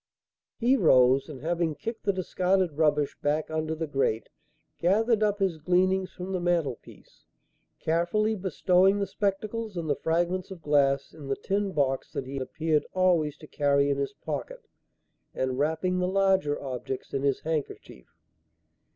He rose, and, having kicked the discarded rubbish back under the grate, gathered up his gleanings from the mantelpiece, carefully bestowing the spectacles and the fragments of glass in the tin box that he appeared always to carry in his pocket, and wrapping the larger objects in his handkerchief.